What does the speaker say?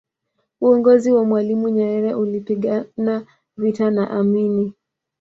uongozi wa mwalimu nyerere ulipigana vita na amini